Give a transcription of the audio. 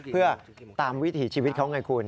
เพื่อตามวิถีชีวิตเขาไงคุณ